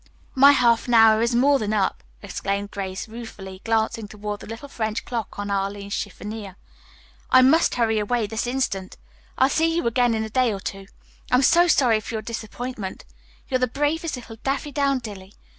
"My half hour is more than up," exclaimed Grace ruefully, glancing toward the little French clock on Arline's chiffonier. "I must hurry away this instant. I'll see you again in a day or two. I am so sorry for your disappointment. You're the bravest little Daffydowndilly.